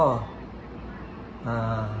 อ่า